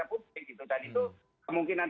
publik dan itu kemungkinan